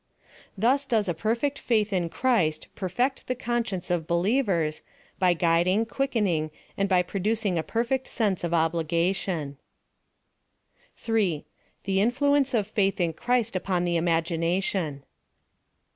Thus does a perfect faith in Christ perfect the conscience of believers, by guid 208 PHILOSOPHY OF THE ing, quickeiiLig,, and by producing a perfect sense of obligation. 3. ThB. influence of faith in CHRIST UPON THE IMAGINATION.